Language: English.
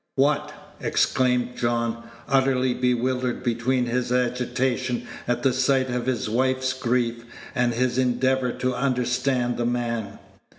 What," exclaimed John, utterly bewildered between his agitation at the sight of his wife's grief and his endeavor to understand the man.